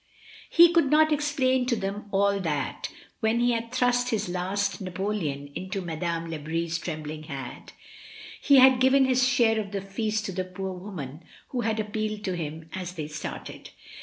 He could not explain to them all that when he had thrust his last napoleon into Madame Lebris' trembling hand he had given his share of the feast to the poor woman who had ap pealed to him as they started.